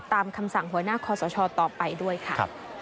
คำสั่งหัวหน้าคอสชต่อไปด้วยค่ะ